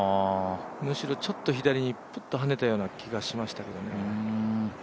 むしろちょっと左にぷっとはねたような気がしましたけどね。